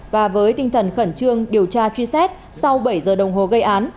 và với tinh thần khẩn trương điều tra truy xét sau bảy giờ đồng hồ gây án